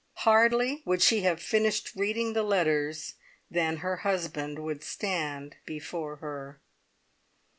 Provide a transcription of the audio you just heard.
Hardly would she have finished reading the letters than her husband would stand before her.